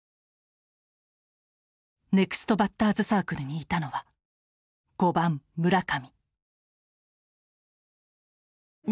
ネクストバッターズサークルにいたのは５番村上。